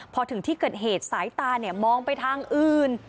พอถึงที่เกิดเหตุสายตามองไปทางอื่น